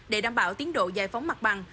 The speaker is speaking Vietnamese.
để đảm bảo tiến độ giải phóng mặt bằng